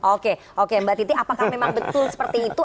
oke oke mbak titi apakah memang betul seperti itu